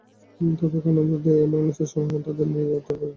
তাদেরকে আনন্দ দেয় এমন স্থানসমূহে তাঁদের নিয়ে যাত্রা বিরতি করতেন।